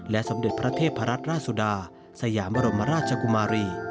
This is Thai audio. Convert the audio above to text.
สมเด็จพระเทพรัตนราชสุดาสยามบรมราชกุมารี